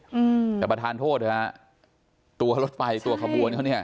อืมแต่ประธานโทษเถอะฮะตัวรถไฟตัวขบวนเขาเนี้ย